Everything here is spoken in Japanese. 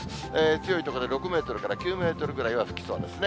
強い所で６メートルから９メートルぐらいは吹きそうですね。